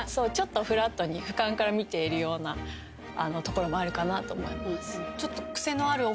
ちょっとフラットにふかんから見ているところもあるかなと思います。